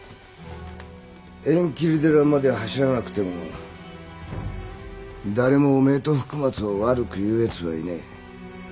縁切り寺まで走らなくても誰もお前と福松を悪く言う奴はいねえ。